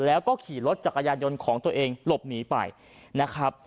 แล้วก็ขี่รถจักรยานยนต์ของตัวเองหลบหนีไปนะครับ